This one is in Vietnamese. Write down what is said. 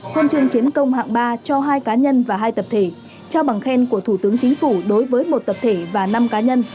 huân chương chiến công hạng ba cho hai cá nhân và hai tập thể trao bằng khen của thủ tướng chính phủ đối với một tập thể và năm cá nhân